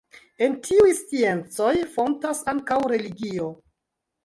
El tiuj sciencoj fontas ankaŭ religio.